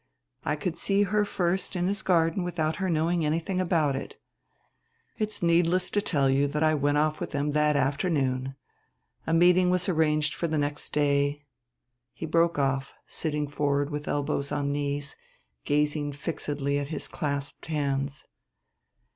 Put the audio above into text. I could see her first in his garden without her knowing anything about it. "It's needless to tell you that I went with them that afternoon. A meeting was arranged for the next day " he broke off, sitting forward with elbows on knees, gazing fixedly at his clasped hands.